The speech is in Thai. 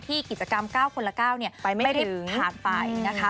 กิจกรรม๙คนละ๙ไม่ได้ผ่านไปนะคะ